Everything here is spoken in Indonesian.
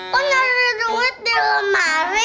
kok ngeri duit di lemari